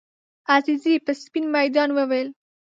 عزیزي په سپین میدان وویل.